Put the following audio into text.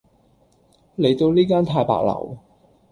嚟到呢間太白樓